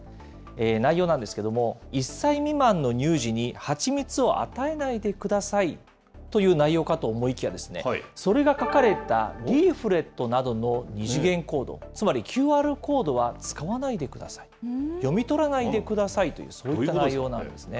内容なんですけれども、１歳未満の乳児に蜂蜜を与えないでくださいという内容かと思いきやですね、それが書かれたリーフレットなどの二次元コード、つまりＱＲコードは使わないでください、読み取らないでくださいという、そういった内容なんですね。